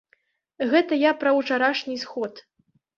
Гэта я пра ўчарашні сход.